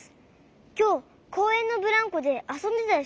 きょうこうえんのブランコであそんでたでしょ？